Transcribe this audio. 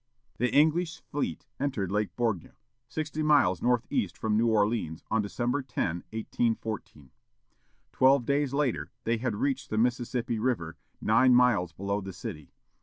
The English fleet entered Lake Borgne, sixty miles north east from New Orleans, on December 10, 1814. Twelve days later they had reached the Mississippi River, nine miles below the city.